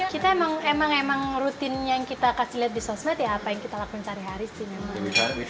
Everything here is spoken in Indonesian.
kita emang emang rutin yang kita kasih lihat di sosmed ya apa yang kita lakuin sehari hari sih memang